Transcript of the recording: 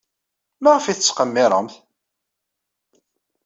Maɣef ay tettqemmiremt?